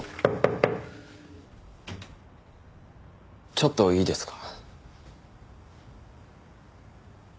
ちょっといいですか？